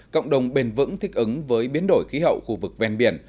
cộng đồng bền vững thích ứng với biến đổi khí hậu khu vực ven biển